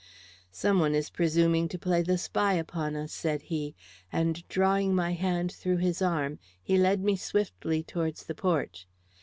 "Some one is presuming to play the spy upon us," said he, and drawing my hand through his arm, he led me swiftly towards the porch.